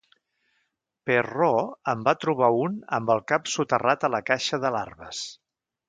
Perrault en va trobar un amb el cap soterrat a la caixa de larves.